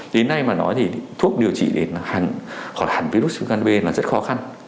đến nay mà nói thì thuốc điều trị đến khỏi hẳn virus viêm gan b là rất khó khăn